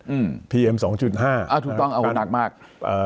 อืมพีเอ็มสองจุดห้าอ่าถูกต้องเอานักมากเอ่อ